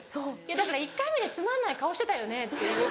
だから１回目でつまんない顔してたよねっていう。